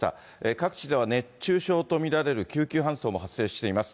各地では熱中症と見られる救急搬送も発生しています。